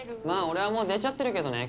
俺はもう出ちゃってるけどね